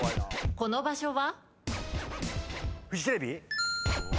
この場所は？